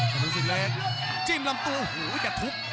กระดูกศึกเล็กจิ้มลำตัวหูกับทุกข์